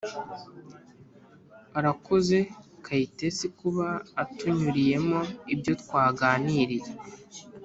arakoze kayitesi kuba atunyuriyemo ibyo twaganiriye